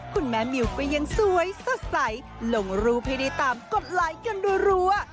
คุณแม่มิวก็ยังสวยสะใสลงรูพิธีตามกดไลค์กันโดยรั้ว